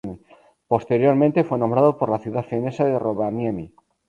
Posteriormente, fue nombrado por la ciudad finesa de Rovaniemi.